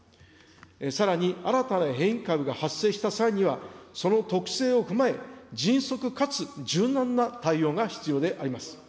さらに、新たな変異株が発生した際には、その特性を踏まえ、迅速かつ柔軟な対応が必要であります。